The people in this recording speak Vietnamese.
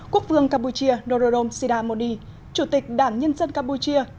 quốc vương campuchia nororom sidamoni chủ tịch đảng nhân dân campuchia